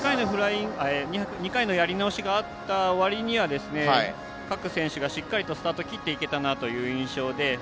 ２回のやり直しがあったわりには各選手がしっかりとスタートを切っていけたなという印象です。